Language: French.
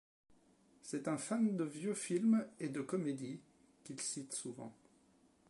C’est un fan de vieux films et de comédies, qu’il cite souvent.